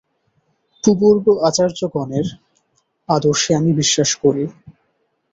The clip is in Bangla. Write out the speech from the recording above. পূবর্গ আচার্যগণের আদর্শে আমি বিশ্বাস করি।